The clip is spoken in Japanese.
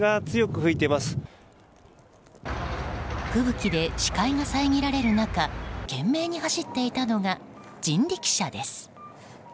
吹雪で視界が遮られる中懸命に走っていたのが人力車です。